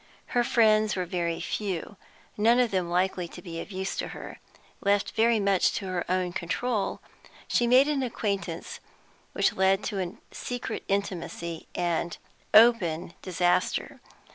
Her friends were very few, none of them likely to be of use to her. Left very much to her own control, she made an acquaintance which led to secret intimacy and open disaster.